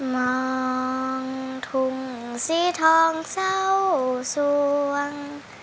มองทุ่งสีทองเศร้าสวง